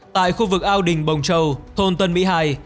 tại khu vực ao đình bồng châu thôn tân mỹ hai